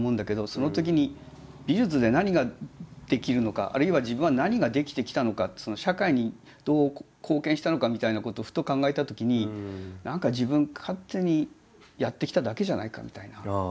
そのときに美術で何ができるのかあるいは自分は何ができてきたのかって社会にどう貢献したのかみたいなことをふと考えたときに何か自分勝手にやってきただけじゃないかみたいな。